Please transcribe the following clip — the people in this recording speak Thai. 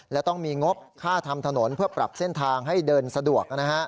และต้องมีงบค่าทำถนนเพื่อปรับเส้นทางให้เดินสะดวก